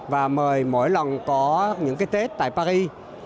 và mời mỗi lần có những cái tết tại paris